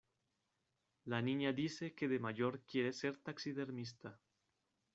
La niña dice que de mayor quiere ser taxidermista.